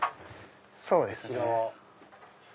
そうですね。